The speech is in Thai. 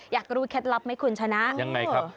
อยากรู้เคล็ดลับไหมคุณชนะยังไงครับ